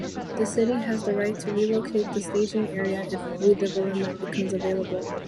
The city has the right to relocate the staging area if redevelopment becomes available.